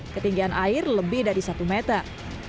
ketinggian air lebih dari satu meter